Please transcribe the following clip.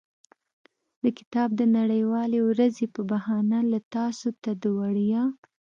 د کتاب د نړیوالې ورځې په بهانه له تاسو ته د وړیا.